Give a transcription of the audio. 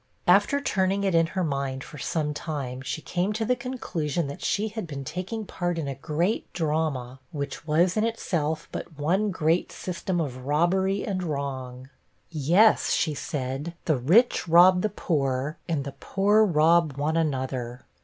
After turning it in her mind for some time, she came to the conclusion, that she had been taking part in a great drama, which was, in itself, but one great system of robbery and wrong. 'Yes,' she said, 'the rich rob the poor, and the poor rob one another.'